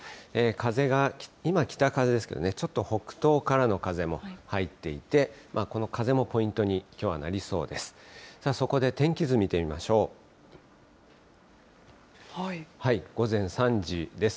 風が今、北風ですけどね、ちょっと北東からの風も入っていて、この風もポイントに、きょうはなりそうです。